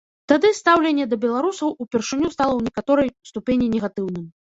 Тады стаўленне да беларусаў упершыню стала ў некаторай ступені негатыўным.